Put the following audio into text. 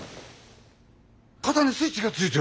肩にスイッチがついてる！